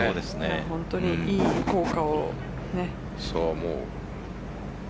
本当にいい効果を。